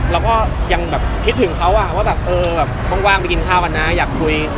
เราก็ยังแบบคิดถึงเขาว่าแบบเออแบบว่างไปกินข้าวกันนะอยากคุย